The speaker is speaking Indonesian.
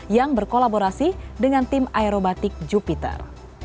yang berkolaborasi dengan tim aerobatik jupiter